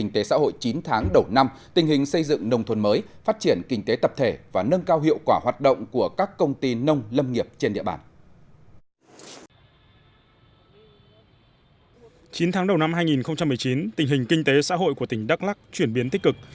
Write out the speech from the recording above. chín tháng đầu năm hai nghìn một mươi chín tình hình kinh tế xã hội của tỉnh đắk lắc chuyển biến tích cực